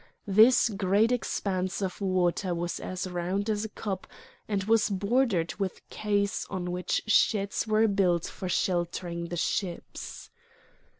This great expanse of water was as round as a cup, and was bordered with quays on which sheds were built for sheltering the ships.